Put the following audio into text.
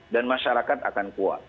dan masyarakat akan kuat